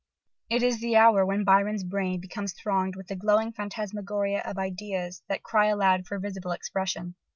It is the hour when Byron's brain becomes thronged with a glowing phantasmagoria of ideas that cry aloud for visible expression.